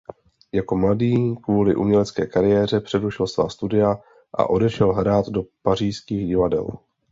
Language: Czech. Jako mladý kvůli umělecké kariéře přerušil svá studia a odešel hrát do pařížských divadel.